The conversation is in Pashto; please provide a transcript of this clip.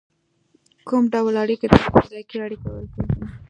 کوم ډول اړیکې ته اشتراکي اړیکه ویل کیږي؟